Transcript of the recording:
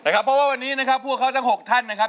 เพราะว่าวันนี้นะครับพวกเขาทั้ง๖ท่านนะครับ